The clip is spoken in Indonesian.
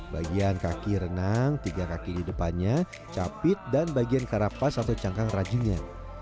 bagian kaki renang tiga kaki di depannya capit dan bagian karapas atau cangkang rajinnya